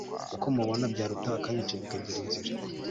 uko mubona byaruta akanyica bikagira inzira